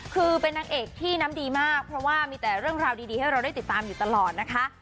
คือเป็นนางเอกที่น้ำดีมากเพราะว่ามีแต่เรื่องราวดีให้เราได้ติดตามอยู่ตลอดนะคะ